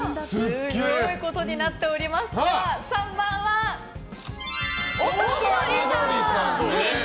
すごいことになっておりますが３番は、丘みどりさん。